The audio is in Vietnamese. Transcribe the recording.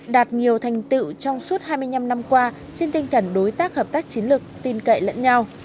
đạt nhiều thành tựu trong suốt hai mươi năm năm qua trên tinh thần đối tác hợp tác chiến lược tin cậy lẫn nhau